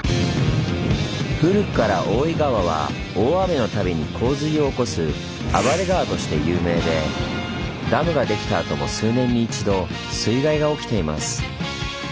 古くから大井川は大雨の度に洪水を起こす「暴れ川」として有名でダムができたあとも数年に一度水害が起きています。